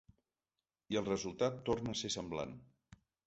I el resultat torna a ser semblant.